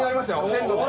線路が。